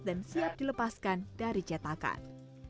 dan siap dilepaskan dari cetakan